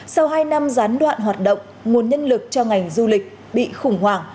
sau hai năm gián đoạn hoạt động nguồn nhân lực cho ngành du lịch bị khủng hoảng